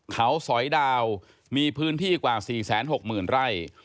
เขาสอยดาวมีพื้นที่กว่า๔๖๐๐๐ไร่